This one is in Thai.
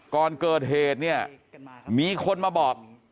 ก่อนเกิดเหตุเนี่ยมีคนมาบอก